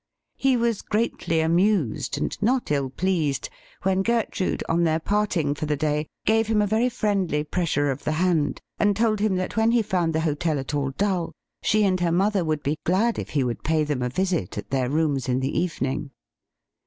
He was greatly amused, and not ill pleased, when Gertrude, on their parting for the day, gave him a very friendly pressure of the hand, and told him that when he found the hotel at all dull, she and her mother would be glad if he would pay them a visit at their rooms in the evening.